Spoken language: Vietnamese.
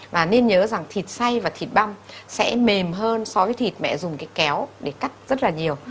và nên nhớ rằng thịt say và thịt băm sẽ mềm hơn so với thịt mẹ dùng cái kéo để cắt rất là nhiều